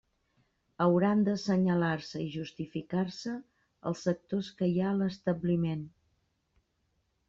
Hauran d'assenyalar-se i justificar-se els sectors que hi ha a l'establiment.